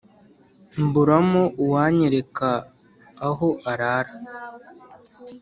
mburamo uwanyereka aho arara,